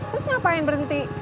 terus ngapain berhenti